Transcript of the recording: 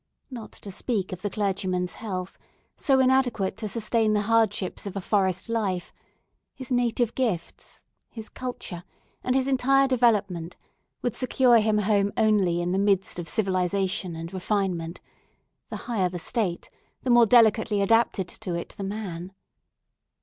Not to speak of the clergyman's health, so inadequate to sustain the hardships of a forest life, his native gifts, his culture, and his entire development would secure him a home only in the midst of civilization and refinement; the higher the state the more delicately adapted to it the man.